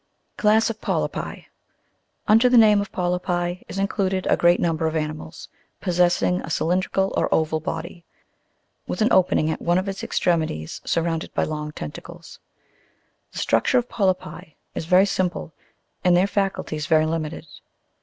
16. CLASS OF POLYPI. Under the name of polypi is included a great number of animals, possessing a cylindrical or oval body, with an opening at one of its extremities, sur rounded by long tentacles (Jig. 87). The structure of polypi is very sim ple, and their facul ties very limited.